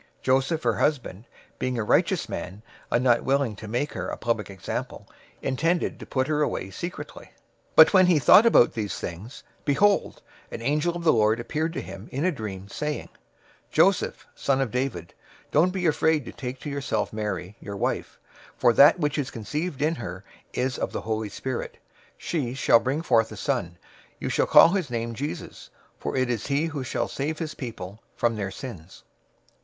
001:019 Joseph, her husband, being a righteous man, and not willing to make her a public example, intended to put her away secretly. 001:020 But when he thought about these things, behold, an angel of the Lord appeared to him in a dream, saying, "Joseph, son of David, don't be afraid to take to yourself Mary, your wife, for that which is conceived in her is of the Holy Spirit. 001:021 She shall bring forth a son. You shall call his name Jesus, for it is he who shall save his people from their sins."